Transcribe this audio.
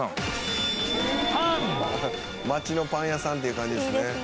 町のパン屋さんっていう感じですね。